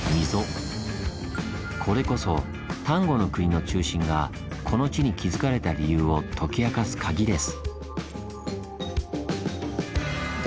これこそ丹後国の中心がこの地に築かれた理由を解き明かす鍵です。